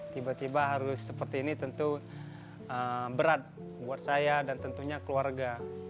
tiba tiba harus seperti ini tentu berat buat saya dan tentunya keluarga